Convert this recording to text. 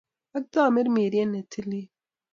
Ak Tamirmiriet ne Tilil.